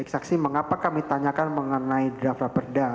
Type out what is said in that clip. saksi mengapa kami tanyakan mengenai draft raperda